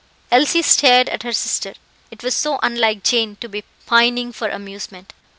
Elsie stared at her sister; it was so unlike Jane to be pining for amusement.